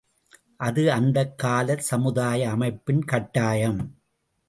அது அந்தக் காலச் சமுதாய அமைப்பின் கட்டாயம்.